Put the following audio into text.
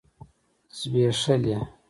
ځبيښلي